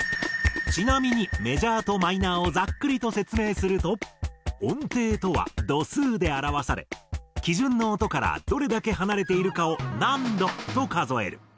ちなみにメジャーとマイナーをざっくりと説明すると音程とは度数で表され基準の音からどれだけ離れているかを「何度」と数える。